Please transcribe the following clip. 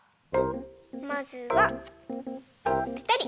まずはぺたり。